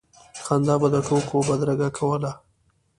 خندا به د ټوکو بدرګه کوله.